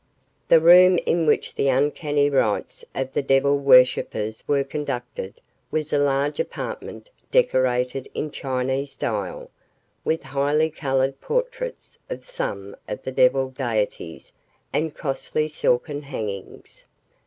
The room in which the uncanny rites of the devil worshippers were conducted was a large apartment decorated in Chinese style, with highly colored portraits of some of the devil deities and costly silken hangings.